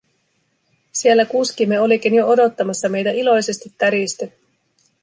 Siellä kuskimme olikin jo odottamassa meitä iloisesti täristen.